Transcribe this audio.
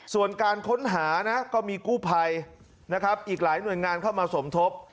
ส่วนการค้นหานะก็มีกู้ภัยนะครับอีกหลายหน่วยงานเข้ามาสมทบ